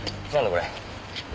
これ。